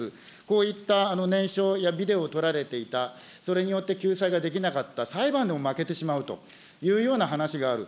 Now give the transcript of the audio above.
こういった念書やビデオをとられていた、それによって救済ができなかった、裁判でも負けてしまうというような話がある。